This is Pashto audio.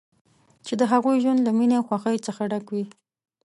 چې د هغوی ژوند له مینې او خوښۍ څخه ډک وي.